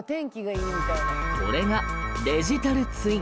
これがデジタルツイン。